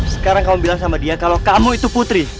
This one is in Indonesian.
sekarang kamu bilang sama dia kalau kamu itu putri